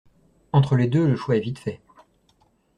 Entre les deux, le choix est vite fait.